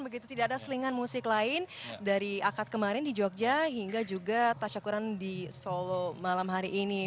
ada selingan musik lain dari akad kemarin di jogja hingga juga tasha kurandi solo malam hari ini